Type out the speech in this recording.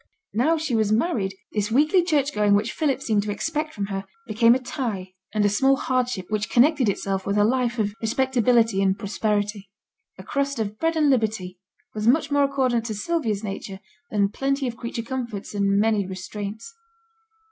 Now she was married, this weekly church going which Philip seemed to expect from her, became a tie and a small hardship, which connected itself with her life of respectability and prosperity. 'A crust of bread and liberty' was much more accordant to Sylvia's nature than plenty of creature comforts and many restraints.